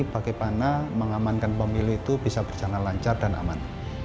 bagaimana mengamankan pemilu itu bisa berjalan lancar dan aman